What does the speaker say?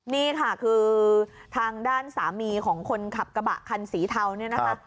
นี่ค่ะคือทางด้านสามีของคนขับกระบะคันสีเทาเนี่ยนะคะ